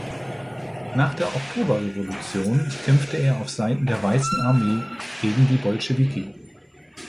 Nach der Oktoberrevolution kämpfte er auf Seiten der Weißen Armee gegen die Bolschewiki.